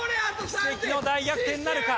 奇跡の大逆転なるか？